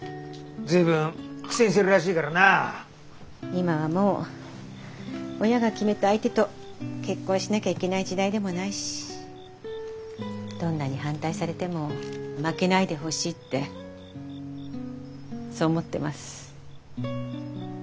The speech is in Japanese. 今はもう親が決めた相手と結婚しなきゃいけない時代でもないしどんなに反対されても負けないでほしいってそう思ってます。